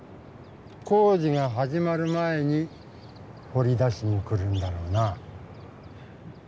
工事が始まる前にほり出しに来るんだろうな。